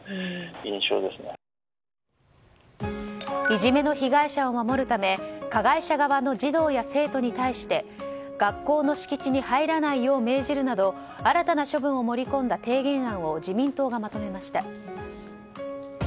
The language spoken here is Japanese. いじめの被害者を守るため加害者側の児童や生徒に対して学校の敷地に入らないよう命じるなど新たな処分を盛り込んだ提言案を自民党がまとめました。